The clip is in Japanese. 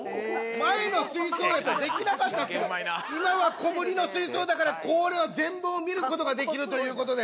前の水槽やったらできなかったですけど今は小ぶりの水槽だからこれは全貌を見ることができるということです。